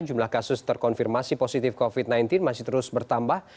jumlah kasus terkonfirmasi positif covid sembilan belas masih terus bertambah